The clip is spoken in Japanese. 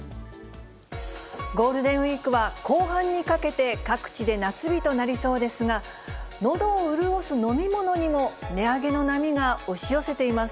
ゴールデンウィークは後半にかけて、各地で夏日となりそうですが、のどを潤す飲み物にも値上げの波が押し寄せています。